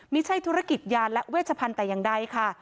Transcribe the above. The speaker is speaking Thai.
ไม่ใช่ธุรกิจยานและเวชพันธุ์แต่อย่างใดค่ะ